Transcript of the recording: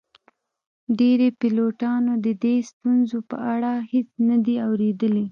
ډیری پیلوټانو د دې ستونزو په اړه هیڅ نه دي اوریدلي